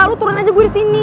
lalu turun aja gue di sini